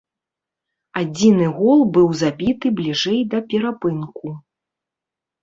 Адзіны гол быў забіты бліжэй да перапынку.